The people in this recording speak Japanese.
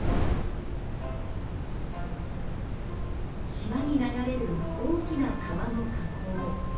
島に流れる大きな川の河口。